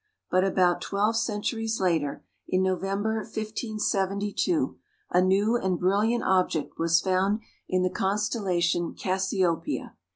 But about twelve centuries later, in November, 1572, a new and brilliant object was found in the constellation Cassiopeia.